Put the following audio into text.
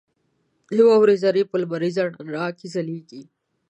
• د واورې ذرې په لمریز رڼا کې ځلېږي.